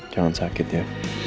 jangan sakit ya